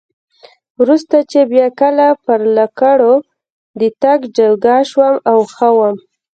وروسته چې بیا کله پر لکړو د تګ جوګه شوم او ښه وم.